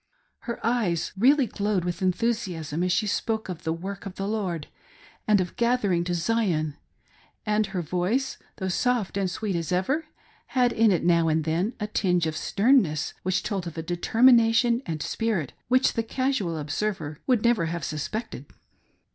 Her eyes really glowed with enthusiasm as she spoke of " the work of the Lord" and of "gathering to Zion;" and her voice, though soft and sweet as ever, had in it, now and then, a tinge of sternness which told of a determination and spirit which the casual observer would never have suspected.